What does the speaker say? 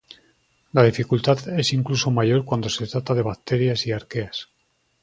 La dificultad es incluso mayor cuando se trata de bacterias y arqueas.